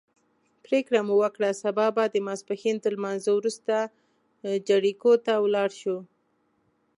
پرېکړه مو وکړه سبا به د ماسپښین تر لمانځه وروسته جریکو ته ولاړ شو.